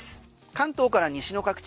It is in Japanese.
関東から西の各地